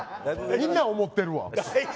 みんな思ってるわ。